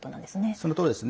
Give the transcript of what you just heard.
そのとおりですね。